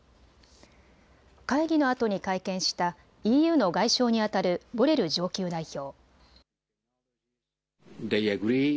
会議のあとに会見したＥＵの外相にあたるボレル上級代表。